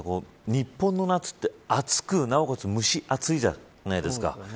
日本の夏って暑くなおかつ蒸し暑いじゃないですか。